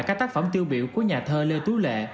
các tác phẩm tiêu biểu của nhà thơ lê tú lệ